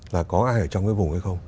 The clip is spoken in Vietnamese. là có ai ở trong cái vùng ấy không